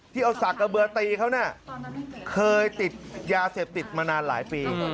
ที่เอาสากกระเบือตีเขาเนี่ยเคยติดยาเสพติดมานานหลายปี